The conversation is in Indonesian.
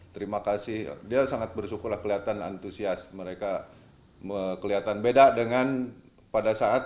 terima kasih dia sangat bersyukurlah kelihatan antusias mereka kelihatan beda dengan pada saat